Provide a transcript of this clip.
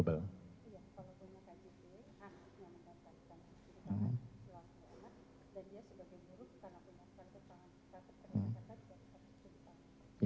karena punya kartu pangan